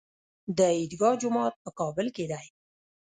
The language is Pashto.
د عیدګاه جومات په کابل کې دی